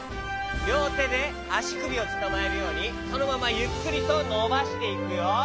りょうてであしくびをつかまえるようにそのままゆっくりとのばしていくよ。